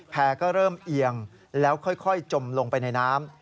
ก็เริ่มเอียงแล้วค่อยจมลงไปในน้ำ